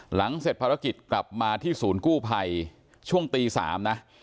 หลังเสร็จภารกิจกลับมาที่ศูนย์กู้ภัยช่วงตี๓นะ